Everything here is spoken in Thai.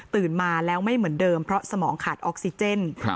มาแล้วไม่เหมือนเดิมเพราะสมองขาดออกซิเจน